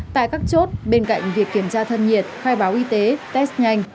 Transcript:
tại các chốt bên cạnh việc kiểm tra thân nhiệt khai báo y tế test nhanh